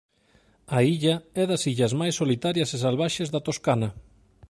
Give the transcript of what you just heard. A illa é das illas máis solitarias e salvaxes da Toscana.